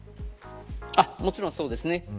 もちろん、そうですね。